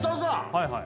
はいはい。